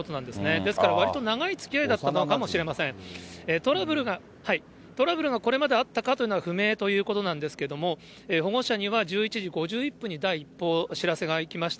ですから、わりと長いつきあいだったかもしれません。トラブルがこれまであったかというのは、不明ということなんですけども、保護者には１１時５１分に、第一報、知らせがいきました。